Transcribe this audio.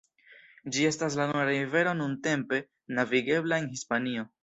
Ĝi estas la nura rivero nuntempe navigebla en Hispanio.